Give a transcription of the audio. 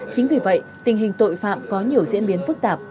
chính vì vậy tình hình tội phạm có nhiều diễn biến phức tạp